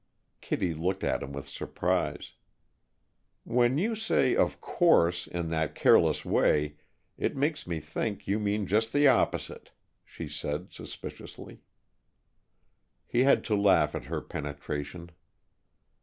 Kittie looked at him with surprise. "When you say 'of course' in that careless way, it makes me think you mean just the opposite," she said, suspiciously. He had to laugh at her penetration.